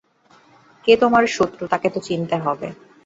কে তোমার শত্রু তাকে তো চিনতে হবে।